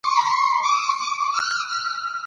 ازادي راډیو د د تګ راتګ ازادي اړوند مرکې کړي.